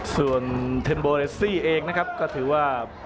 ส่วนเทนโบเรซี่เองนะครับก็ถือว่า